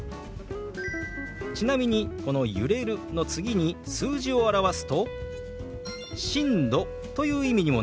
ちなみにこの「揺れる」の次に数字を表すと「震度」という意味にもなりますよ。